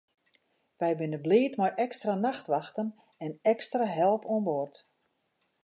Wy binne bliid mei ekstra nachtwachten en ekstra help oan board.